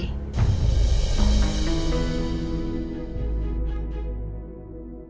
tante kamu harus tahu